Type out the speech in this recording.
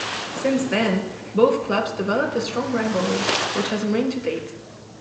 Since then, both clubs developed a strong rivalry which has remained to date.